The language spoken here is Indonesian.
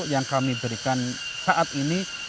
yang kami berikan saat ini